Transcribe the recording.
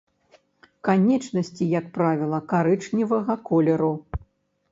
Канечнасці, як правіла, карычневага колеру.